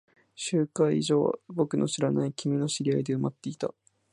集会所は僕の知らない君の知り合いで埋まっていた。